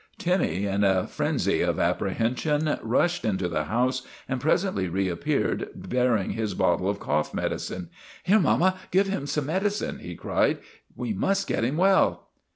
Timmy, in a frenzy of apprehension, rushed into the house and presently reappeared bearing his bottle of cough medicine. ' Here, mama, give him some medicine," he cried. " We must get him well."